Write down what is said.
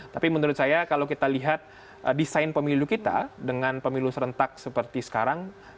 tapi menurut saya kalau kita lihat desain pemilu kita dengan pemilu serentak seperti sekarang